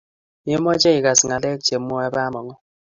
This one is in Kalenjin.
Memoche ikas ngalek che mwae Bamongo